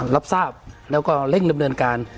รับทราบแล้วก็เร่งดำเนินการ